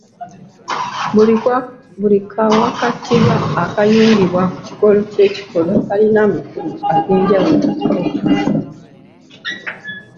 Buli kawakatirwa akayungibwa ku kikolo ky'ekikolwa kalina amakulu ag'enjawulo ge kawa